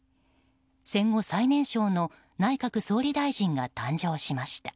戦後最年少の内閣総理大臣が誕生しました。